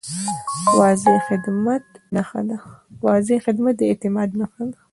واضح خدمت د اعتماد نښه ده.